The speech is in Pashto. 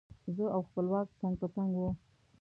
زه او خپلواک څنګ په څنګ وو.